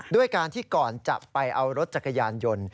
ด้วยการที่ก่อนจะไปเอารถจักรยานยนต์